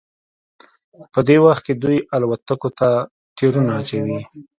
په دې وخت کې دوی الوتکو ته ټیرونه اچوي